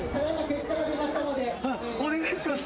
ああお願いします